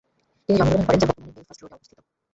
তিনি জন্মগ্রহণ করেন যা বর্তমানের বেলফাস্ট রোডে অবস্থিত।